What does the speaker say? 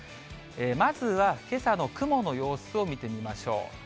まずはけさの雲の様子を見てみましょう。